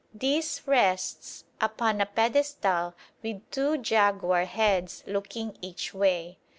This rests upon a pedestal with two jaguar heads looking each way.